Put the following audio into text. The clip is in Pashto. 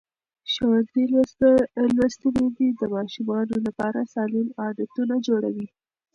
ښوونځې لوستې میندې د ماشومانو لپاره سالم عادتونه جوړوي.